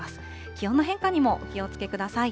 気温の変化にもお気をつけください。